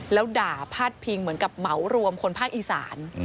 แล้วด่าพาดพิงเหมือนกับเหมารวมคนภาคอีสาน